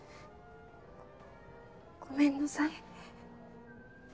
ごめんなさい。